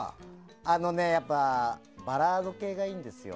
やっぱりねバラード系がいいんですよ。